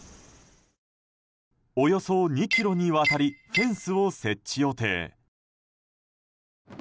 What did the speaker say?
およそ２ｋｍにわたりフェンスを設置予定。